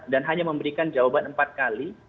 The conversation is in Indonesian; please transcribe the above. dan hanya memberikan jawaban empat kali